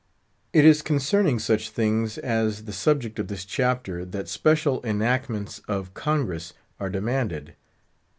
It is concerning such things as the subject of this chapter that special enactments of Congress are demanded.